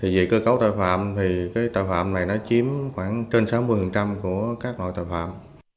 về cơ cấu tội phạm thì cái tội phạm này nó chiếm khoảng trên sáu mươi của các loại tội phạm